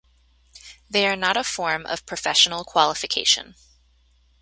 They are not a form of professional qualification.